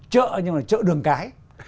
chợ nhưng mà chợ đường cái